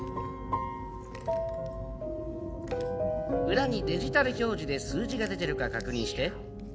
裏にデジタル表示で数字が出てるか確認して。